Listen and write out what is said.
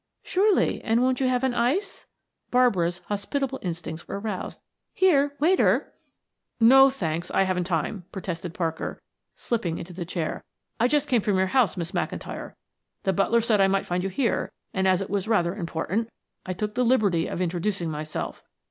"Surely; and won't you have an ice?" Barbara's hospitable instincts were aroused. "Here, waiter " "No, thanks; I haven't time," protested Parker, slipping into the chair. "I just came from your house, Miss McIntyre; the butler said I might find you here, and as it was rather important, I took the liberty of introducing myself.